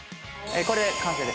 これで完成です。